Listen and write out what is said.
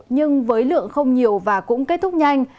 nhưng với lượng không nhiều và cũng kết thúc nhanh